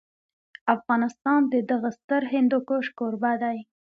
افغانستان د دغه ستر هندوکش کوربه دی.